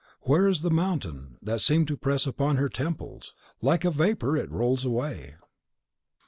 Where is the mountain that seemed to press upon her temples? Like a vapour, it rolls away.